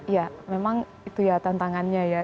ya memang itu ya tantangannya ya